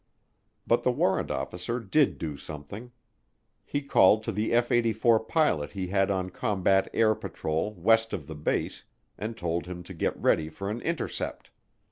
But the warrant officer did do something. He called to the F 84 pilot he had on combat air patrol west of the base and told him to get ready for an intercept.